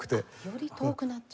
より遠くなっちゃう。